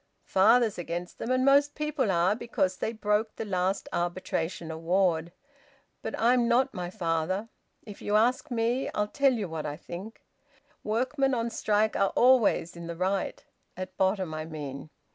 "Father's against them, and most people are, because they broke the last arbitration award. But I'm not my father. If you ask me, I'll tell you what I think workmen on strike are always in the right; at bottom I mean.